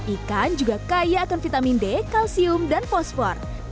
ikan juga kaya akan vitamin d kalsium dan fosfor